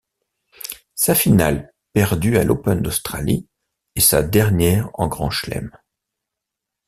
Sa finale perdue à l'Open d'Australie est sa dernière en Grand Chelem.